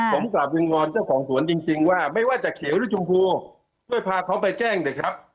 ผมกลับวิงวอนเจ้าของสวนจริงว่าไม่ว่าจะเขียวหรือชมพูช่วยพาเขาไปแจ้งเถอะครับ